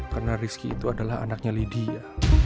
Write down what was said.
karena rizky itu adalah anaknya lydia